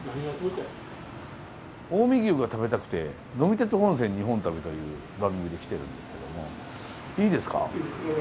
近江牛が食べたくて「呑み鉄本線・日本旅」という番組で来てるんですけどもいいですか？